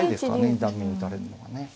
二段目に打たれるのがね。